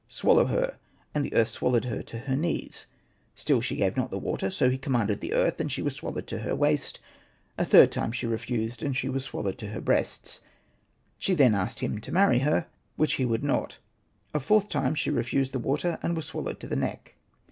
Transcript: swallow her," and the earth swallowed her to her knees ; still she gave not the water, so he commanded the earth, and she was swal lowed to her waist ; a third time she refused, and she was swallowed to her breasts ; she then asked him to marry her, which he would not ; a fourth time she refused the water and was swallowed to her neck.